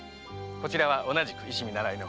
こちらは同じく医師見習いの。